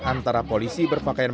antara polisi berpakaian